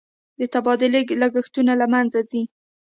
د تبادلې لګښتونه له مینځه ځي.